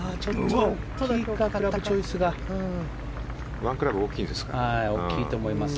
１クラブ大きいですか。